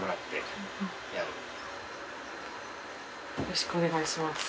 よろしくお願いします。